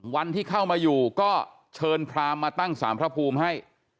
วันที่เข้ามาอยู่ก็เชิญพรามมาตั้งสารพระภูมิให้